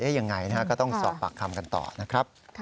เอ๊ะอย่างไรนะครับก็ต้องสอบปากคำกันต่อนะครับ